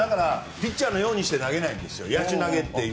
ピッチャーのようにして投げないんですよ。